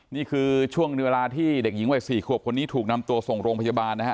นี่คือช่วงเวลาที่เด็กหญิงวัย๔ขวบคนนี้ถูกนำตัวส่งโรงพยาบาลนะฮะ